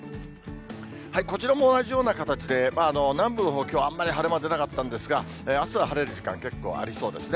こちらも同じような形で、南部のほう、きょうあんまり晴れ間出なかったんですが、あすは晴れる時間、結構ありそうですね。